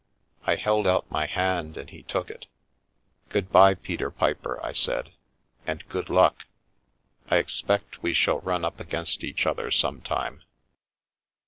I held out my hand and he took it. " Good bye, Peter Piper," I said, " and good luck ! I expect we shall run up against each other some time."